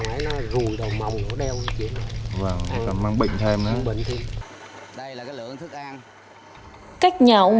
nó còn màu nó đeo cái chuyện này và nó còn mang bệnh thêm nữa đây là cái lượng thức ăn cách nhà ông